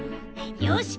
よし！